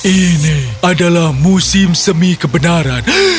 ini adalah musim semi kebenaran